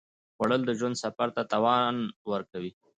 خوړل د ژوند سفر ته توان ورکوي